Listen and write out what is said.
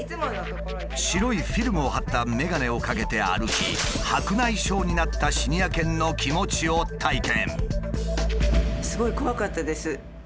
白いフィルムを貼った眼鏡をかけて歩き白内障になったシニア犬の気持ちを体験。